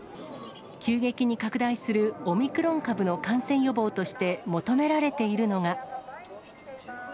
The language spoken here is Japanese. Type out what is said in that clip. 急激に拡大するオミクロン株の感染予防として求められているのが。